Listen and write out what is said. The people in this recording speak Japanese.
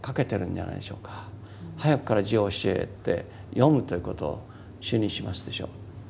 早くから字を教えて読むということを主にしますでしょう。